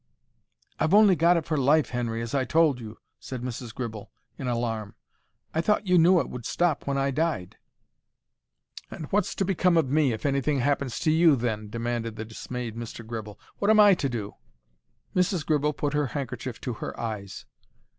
"I've only got it for life, Henry, as I told you," said Mrs. Gribble, in alarm. "I thought you knew it would stop when I died." "And what's to become of me if anything happens to you, then?" demanded the dismayed Mr. Gribble. "What am I to do?" Mrs. Gribble put her handkerchief to her eyes.